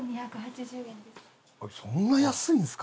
そんな安いんですか？